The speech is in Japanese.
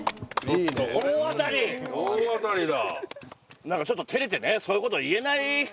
大当たりだ。